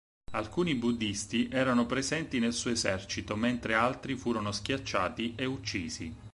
Alcuni buddhisti erano presenti nel suo esercito mentre altri furono schiacciati e uccisi.